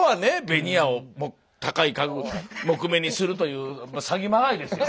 ベニヤを高い家具木目にするという詐欺まがいですよ